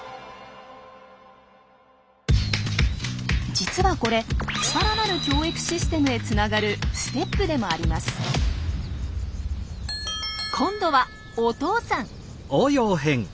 実はこれさらなる教育システムへつながるステップでもあります。今度はお父さん。